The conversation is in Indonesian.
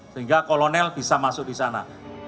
sehingga kolonel bisa masuk di sana